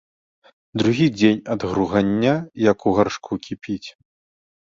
Другі дзень ад гругання як у гаршку кіпіць.